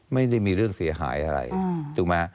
ไม่ได้มีเรื่องเสียหายอะไรถูกไหม